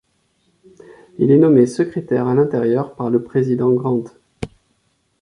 Il est nommé secrétaire à l'Intérieur par le président Grant.